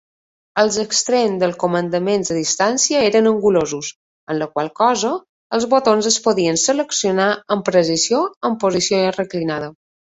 Els extrems dels comandaments a distància eren angulosos, amb la qual cosa els botons es podien seleccionar amb precisió en posició reclinada.